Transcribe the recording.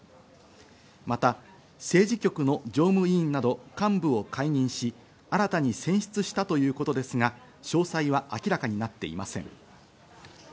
また政治局の常務委員など幹部を解任し、新たに選出したということですが詳細は明らかになっていません。